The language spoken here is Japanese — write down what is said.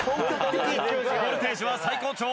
ボルテージは最高潮。